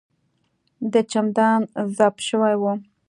د چمدان زپ شوی و.